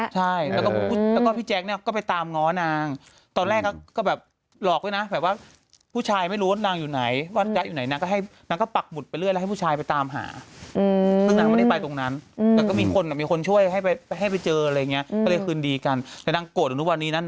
ใช่แล้วก็พี่แจ็คเนี่ยก็ไปตามง้อนังตอนแรกัยแบบหลอกด้วยนะ